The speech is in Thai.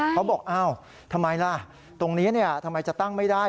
เขาบอกอ้าวทำไมล่ะตรงนี้ทำไมจะตั้งไม่ได้